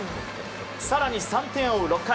更に３点を追う６回。